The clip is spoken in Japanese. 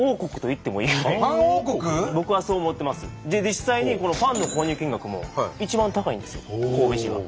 実際にパンの購入金額も一番高いんですよ神戸市が。